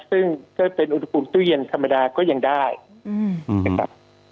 ซึ่งถ้าเป็นอุณหภูมิตู้เย็นธรรมดาก็ยังได้นะครับ